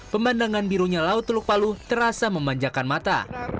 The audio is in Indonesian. pemandangan birunya laut teluk palu terasa memanjakan mata